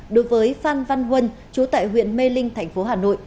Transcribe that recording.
đối với phan văn huân chú tại huyện mê linh thành phố hà nội